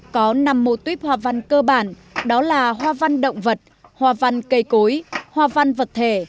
có năm mô tuyết hoa văn cơ bản đó là hoa văn động vật hoa văn cây cối hoa văn vật thể